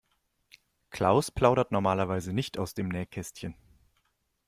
Klaus plaudert normalerweise nicht aus dem Nähkästchen.